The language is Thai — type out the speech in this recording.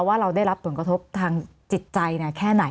ว่าเราได้รับผลกระทบทางจิตใจแค่ไหน